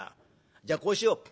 じゃあこうしよう。